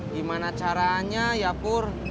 gimana caranya ya pur